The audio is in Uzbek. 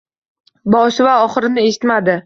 Boshi va oxirini eshitmadi.